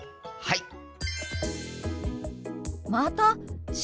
はい！